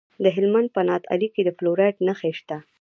د هلمند په نادعلي کې د فلورایټ نښې شته.